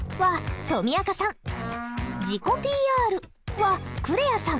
「自己ＰＲ」はくれあさん。